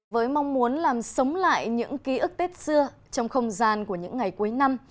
với mong muốn làm sống lại những ký ức tết xưa trong không gian của những ngày cuối năm